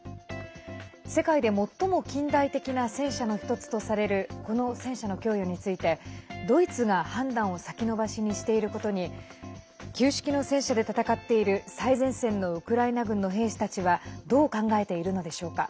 世界で最も近代的な戦車の１つとされるこの戦車の供与についてドイツが判断を先延ばしにしていることに旧式の戦車で戦っている最前線のウクライナ軍の兵士たちはどう考えているのでしょうか。